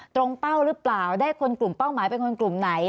เป้าหรือเปล่าได้คนกลุ่มเป้าหมายเป็นคนกลุ่มไหน